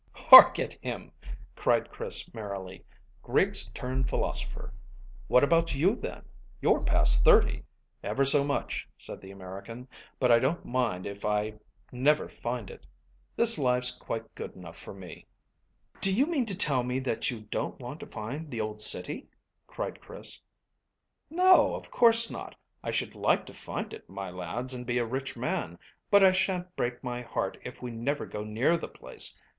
"Hark at him!" cried Chris merrily. "Griggs turned philosopher. What about you then? You're past thirty." "Ever so much," said the American, "but I don't mind if I never find it. This life's quite good enough for me." "Do you mean to tell me that you don't want to find the old city?" cried Chris. "No, of course not. I should like to find it, my lads, and be a rich man; but I shan't break my heart if we never go near the place.